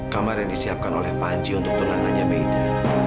kamar yang disiapkan oleh panji untuk tunangannya meda